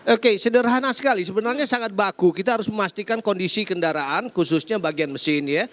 oke sederhana sekali sebenarnya sangat baku kita harus memastikan kondisi kendaraan khususnya bagian mesin ya